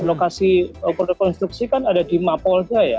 lokasi rekonstruksi kan ada di mapol